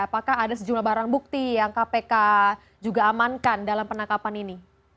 apakah ada sejumlah barang bukti yang kpk juga amankan dalam penangkapan ini